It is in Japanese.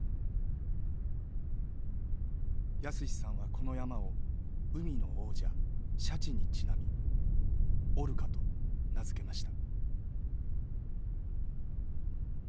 泰史さんはこの山を海の王者シャチにちなみ「オルカ」と名付けました。